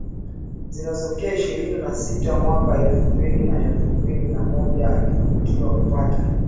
zinazofikia ishirini na sita Mwaka elfu mbili na elfu mbili na moja alifanikiwa kupata